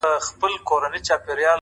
د تمرکز ځواک د بریا سرعت زیاتوي؛